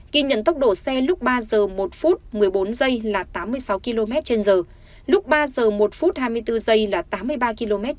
kỳ nhận tốc độ xe lúc ba h một một mươi bốn là tám mươi sáu kmh lúc ba h một hai mươi bốn là tám mươi ba kmh lúc ba h một ba mươi bốn là tám mươi bốn kmh